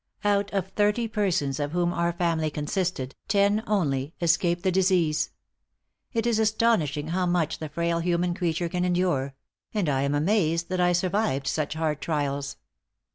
..."Out of thirty persons of whom our family consisted, ten only escaped the disease. It is astonishing how much the frail human creature can endure; and I am amazed that I survived such hard trials.